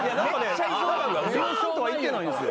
バーンとはいってないんですよ。